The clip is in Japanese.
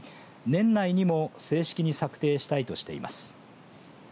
年内にも、正式に策定したいとしています。